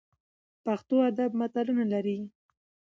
پښتو ادب متلونه لري